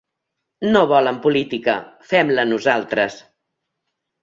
No volen política, fem-la nosaltres.